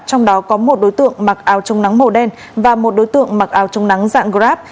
trong đó có một đối tượng mặc áo chống nắng màu đen và một đối tượng mặc áo chống nắng dạng grab